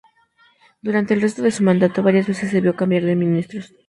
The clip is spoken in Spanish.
Durante el resto de su mandato, varias veces debió cambiar de ministros.